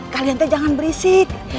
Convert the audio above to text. kalian jangan berisik